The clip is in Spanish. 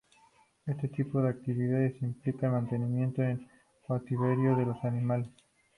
Este tipo de actividades, implica el mantenimiento en cautiverio de los animales.